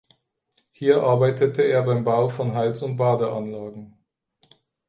Hier arbeitete er beim Bau von Heiz- und Badeanlagen.